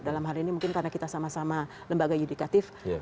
dalam hal ini mungkin karena kita sama sama lembaga yudikatif